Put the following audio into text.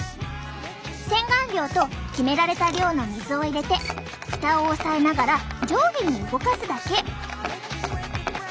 洗顔料と決められた量の水を入れて蓋を押さえながら上下に動かすだけ。